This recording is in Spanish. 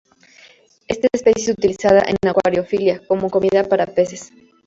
Esta especie es utilizada en acuariofilia como comida para peces.